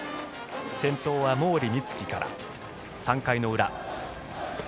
先頭は毛利光希から、３回の裏。